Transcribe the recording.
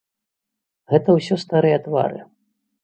Гэта ўсё старыя твары.